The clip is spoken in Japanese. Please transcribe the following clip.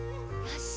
よし。